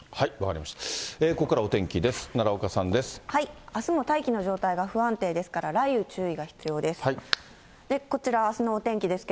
あすも大気の状態が不安定ですから、雷雨、注意が必要です。